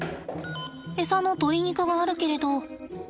エサの鶏肉があるけれど。